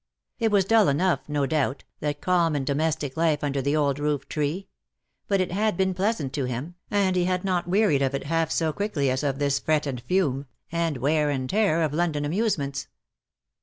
It was dull enough, no doubt, that calm and domestic life under the old roof tree; but it had been pleasant to him, and he had not wearied of it half so quickly as of this fret and fume, and wear and tear of London amusements.